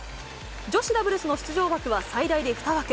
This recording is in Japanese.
女子ダブルスの出場枠は、最大で２枠。